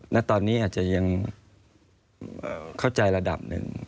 ณตอนนี้อาจจะยังเข้าใจระดับหนึ่ง